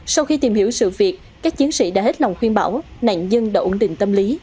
sau khi tìm hiểu sự việc các chiến sĩ đã hết lòng khuyên bảo nạn nhân đã ổn định tâm lý